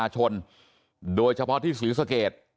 ขอบคุณเลยนะฮะคุณแพทองธานิปรบมือขอบคุณเลยนะฮะ